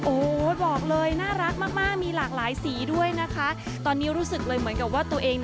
โอ้โหบอกเลยน่ารักมากมีหลากหลายสีด้วยนะคะตอนนี้รู้สึกเลยเหมือนกับว่าตัวเอง